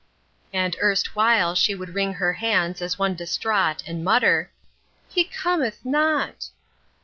And erstwhile she would wring her hands as one distraught and mutter, "He cometh not."